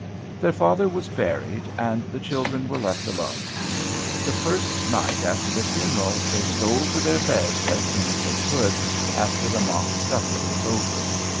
Their father was buried, and the children were left alone. The first night after the funeral they stole to their beds as soon as they could, after the mock supper was over.